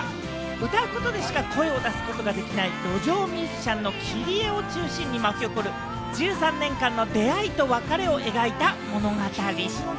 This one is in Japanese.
歌うことでしか声を出すことができない路上ミュージシャンのキリエを中心に巻き起こる１３年間の出会いと別れを描いた物語。